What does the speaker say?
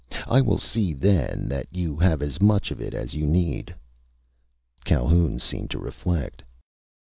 I will see, then, that you have as much of it as you need." Calhoun seemed to reflect.